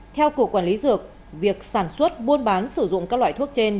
theo cục quản lý dược việc sản xuất buôn bán sử dụng các loại thuốc trên